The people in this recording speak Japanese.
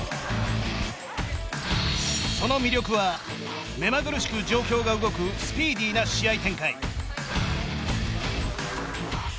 その魅力は目まぐるしく状況が動くスピーディーな試合展開。